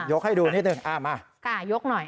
โยกให้ดูนิดนึงมา